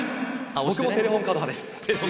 僕もテレホンカード派です。